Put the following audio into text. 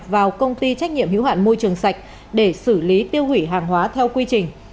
vào công ty trách nhiệm hữu hạn môi trường sạch để xử lý tiêu hủy hàng hóa theo quy trình